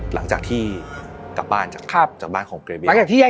หลังจากที่กลับบ้านจากบ้านของเกรบิน